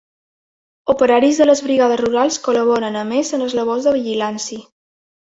Operaris de les brigades rurals col·laboren, a més, en les labors de vigilància.